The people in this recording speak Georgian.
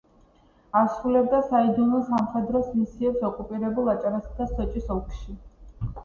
ასრულებდა საიდუმლო სამხედრო მისიებს ოკუპირებულ აჭარასა და სოჭის ოლქში.